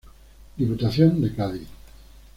Diputación de Cádiz.